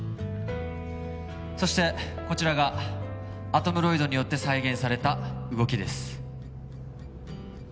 そしてこちらがアトムロイドによって再現された動きです